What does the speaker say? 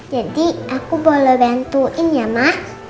jadi aku boleh bantuin ya ma